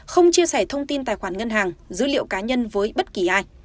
không chia sẻ thông tin tài khoản ngân hàng dữ liệu cá nhân với bất kỳ ai